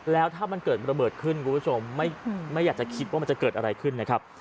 แล้วถ้ามันเกิดระเบิดขึ้นคุณผู้ชมไม่อยากจะคิดว่ามันจะเกิดอะไรขึ้นนะครับ